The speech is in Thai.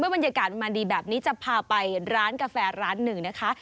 เมื่อบรรยากาศมาดีแบบนี้จะพาไปร้านแกฟ้าร้านนึงนะคะ